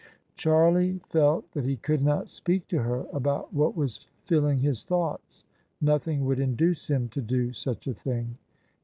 Charlie felt that he could not speak to her about what was filling his thoughts : nothing would induce him to do such a thing.